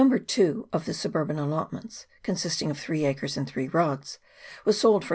2 of the suburban allotments, consisting of 3 acres and 3 rods, was sold for 303